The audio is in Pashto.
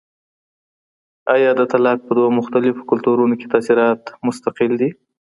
آیا د طلاق په دوو مختلفو کلتورونو کي تاثیرات مستقل دي؟